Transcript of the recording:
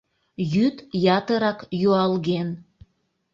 Йӱд ятырак юалген.